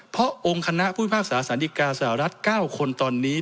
เพราะองค์คณะผู้พิพากษาสารดิกาสหรัฐ๙คนตอนนี้